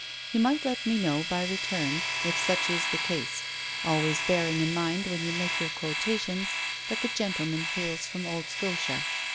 You might let me know by return if such is the case, always bearing in mind when you make your quotations that the gentleman hails from old Scotia.